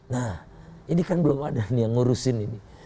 nah ini kan belum ada nih yang ngurusin ini